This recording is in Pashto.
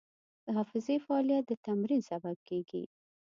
د حافظې فعالیت د تمرین سبب کېږي.